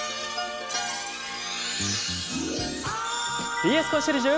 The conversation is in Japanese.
「ＢＳコンシェルジュ」。